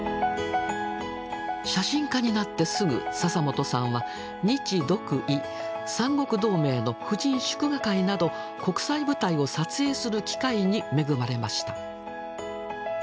写真家になってすぐ笹本さんは日独伊三国同盟の婦人祝賀会など国際舞台を撮影する機会に恵まれました。